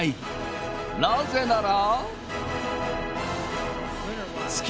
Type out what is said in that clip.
なぜなら。